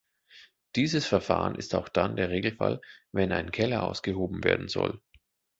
Dieses Verfahren ist auch dann der Regelfall, wenn ein Keller ausgehoben werden soll.